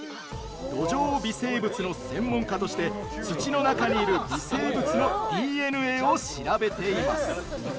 土壌微生物の専門家として土の中にいる微生物のＤＮＡを調べています。